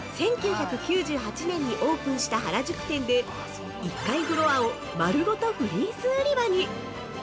１９９８年にオープンした原宿店で、１階フロアを丸ごとフリース売り場に！